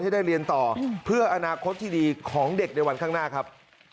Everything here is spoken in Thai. ให้ได้เรียนต่อเพื่ออนาคตที่ดีของเด็กในวันข้างหน้าครับ